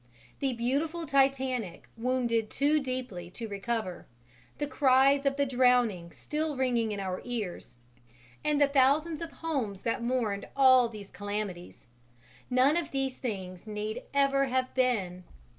The beautiful Titanic wounded too deeply to recover, the cries of the drowning still ringing in our ears and the thousands of homes that mourned all these calamities none of all these things need ever have been!